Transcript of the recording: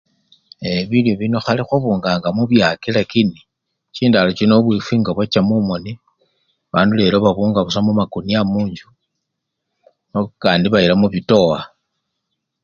Eee! bilyo bino khale khwabunganga mubyaki lakini chindalo chino bubwifwi nga bwacha mumoni, bandu lelo babunga busa mumakunya munjju no! kakandi bayila mubitowa.